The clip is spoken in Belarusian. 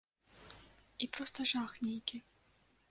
І проста жах нейкі.